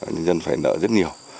nhân dân phải nợ rất nhiều